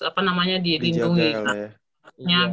apa namanya di jodoh ya